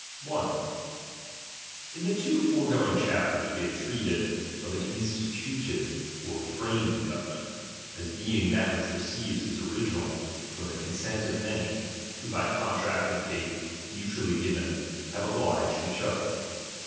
^ I . In the two foregoing chapters we have treated of an institutive or Jramed government, as being that which receives its original from the consent of many, who by contract and faith mutually given have obliged each other.